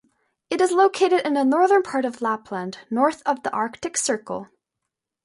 It is located in the northern part of Lapland, north of the Arctic Circle.